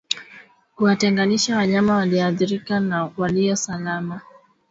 Kuwatenganisha wanyama walioathirika na walio salama